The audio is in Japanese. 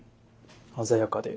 鮮やかで。